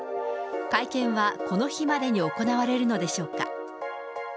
会見はこの日までに行われるのでしょうか。